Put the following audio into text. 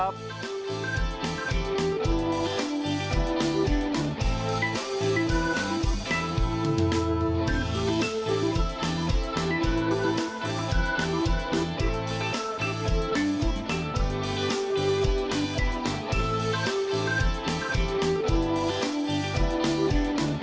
โปรดติดตามตอนต่อไป